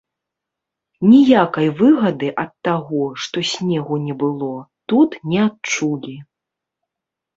Ніякай выгады ад таго, што снегу не было, тут не адчулі.